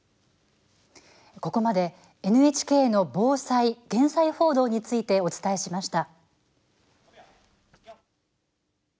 ここまでＮＨＫの防災・減災報道についてお伝えしました。